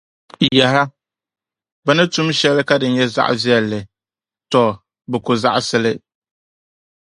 Yaha! Bɛ ni tum shɛlika di nyɛ zaɣivɛlli, tɔ! Bɛ ku zaɣisi li.